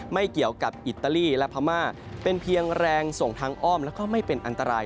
ไม่เกี่ยวกับอิตาลีและพม่าเป็นเพียงแรงส่งทางอ้อมแล้วก็ไม่เป็นอันตราย